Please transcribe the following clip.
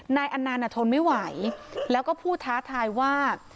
นายอันนานทนไม่ไหวแล้วก็พูดท้าทายว่า